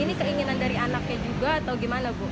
ini keinginan dari anaknya juga atau gimana bu